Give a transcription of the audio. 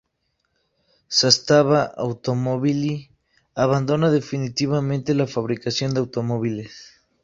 Zastava Automobili abandona definitivamente la fabricación de automóviles.